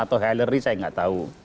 atau hillary saya tidak tahu